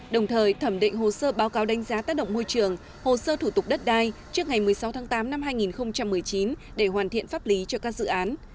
đồng thời thẩm định hồ sơ báo cáo đánh giá tác động môi trường hồ sơ thủ tục đất đai trước ngày một mươi sáu tháng tám năm hai nghìn một mươi chín để hoàn thiện pháp lý cho các dự án